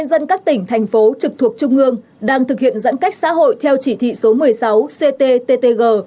dân các tỉnh thành phố trực thuộc trung ương đang thực hiện giãn cách xã hội theo chỉ thị số một mươi sáu cttg